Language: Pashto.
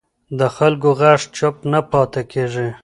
د خلکو غږ چوپ نه پاتې کېږي